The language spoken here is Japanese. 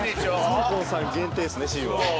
サンコンさん限定ですねＣは。